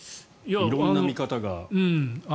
色んな見方が。